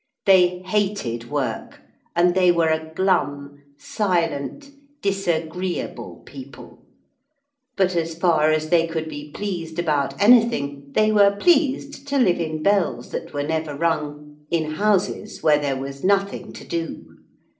They hated work, and they were a glum, silent, disagreeable people, but as far as they could be pleased about anything they were pleased to live in bells that were never rung, in houses where there was nothing to do.